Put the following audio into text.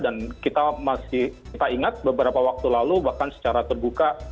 dan kita masih ingat beberapa waktu lalu bahkan secara terbuka